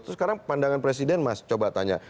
terus sekarang pandangan presiden mas coba tanya